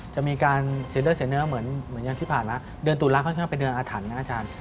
จะมีการเสียเลือดเสียเนื้อเหมือนอย่างที่ผ่านมาเดือนตุลาค่อนข้างเป็นเดือนอาถรรพ์นะครับอาจารย์